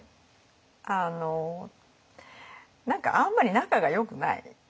何かあんまり仲がよくない。